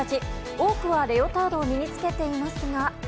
多くはレオタードを身に着けていますが。